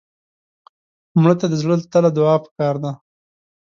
مړه ته د زړه له تله دعا پکار ده